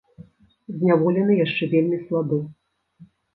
Зняволены яшчэ вельмі слабы.